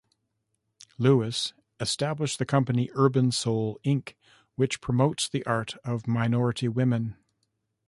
Lewis established the company urbansoul inc., which promotes the art of minority women.